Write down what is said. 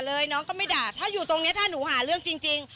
น้องก็ไม่ด่าถ้าอยู่ตรงนี้ถ้าหนูหาเรื่องจริง